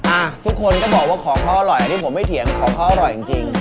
อ่ะทุกคนก็บอกว่าของเขาอร่อยอันนี้ผมไม่เถียงของเขาอร่อยจริงจริง